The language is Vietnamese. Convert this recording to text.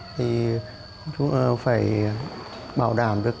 thì chúng phải bảo đảm được